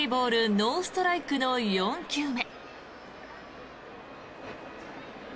ノーストライクの４球目。